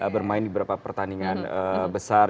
bermain di beberapa pertandingan besar